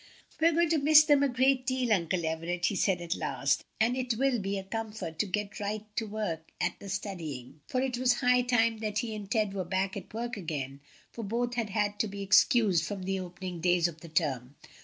"We're going to miss them a great deal, Uncle Everett," he said at last, "and it will be a comfort to get right to work at the studying" for it was high time that he and Ted were back at work again, for both had had to be excused from the opening days ol the term.